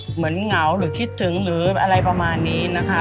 เหงาหรือคิดถึงหรืออะไรประมาณนี้นะคะ